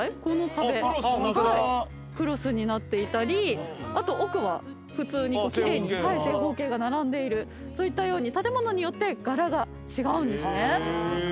この壁クロスになっていたりあと奥は普通に奇麗に正方形が並んでいるといったように建物によって柄が違うんですね。